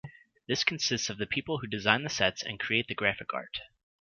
This consists of the people who design the sets and create the graphic art.